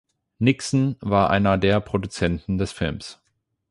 Nixon war einer der Produzenten des Films.